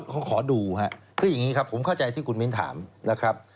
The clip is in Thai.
เขาขอดูครับคืออย่างนี้ครับผมเข้าใจที่คุณมิ้นถามนะครับ